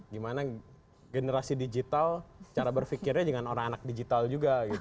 gimana generasi digital cara berfikirnya dengan anak anak digital juga